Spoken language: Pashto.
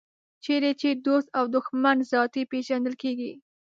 چېرې چې دوست او دښمن ذاتي پېژندل کېږي.